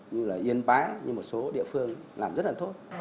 như là yên bái như một số địa phương làm rất là tốt